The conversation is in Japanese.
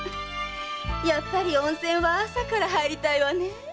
やっぱり温泉は朝から入りたいわねえ。